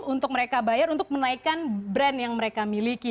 untuk mereka bayar untuk menaikkan brand yang mereka miliki